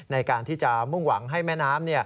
ในการที่จะมุ่งหวังให้แม่น้ำ